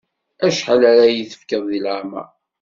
Acḥal ara yi-tefkeḍ deg leεmer?